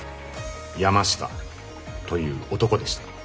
山下という男でした。